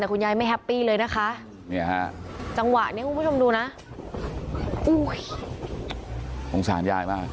ถังวะอย่างนี้ก่อนหน้ามึงจะดูอย่างไร